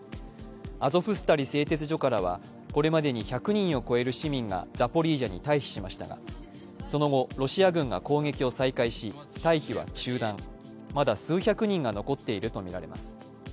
アゾフスタリ製鉄所からは、これまでに１００人を超える市民がザポリージャに退避しましたが、その後ロシア軍が攻撃を再開し、退避は中断、まだ数百人が残っているとみられます。